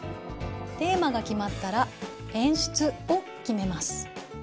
テーマが決まったら演出を決めます。